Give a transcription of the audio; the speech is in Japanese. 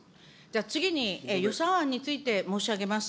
次に予算案について申し上げます。